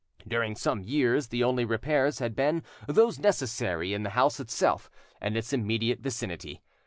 During some years the only repairs had been those necessary in the house itself and its immediate vicinity.